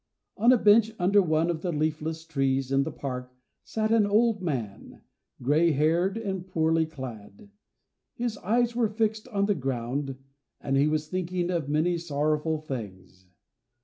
On a bench under one of the leafless trees in the park sat an old man, gray haired and poorly clad. His eyes were fixed on the ground, and he was thinking of many sorrowful things.